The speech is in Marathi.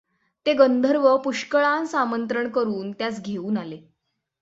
ते गंधर्व पुष्कळांस आमंत्रण करून त्यांस घेऊन आले.